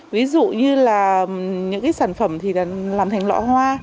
ví dụ như là những sản phẩm làm thành lọ hoa